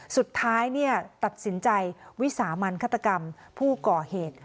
สุดท้ายตัดสินใจวิสามันฆาตกรรมผู้ก่อเหตุ